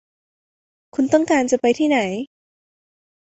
คุณต้องการจะไปที่ไหน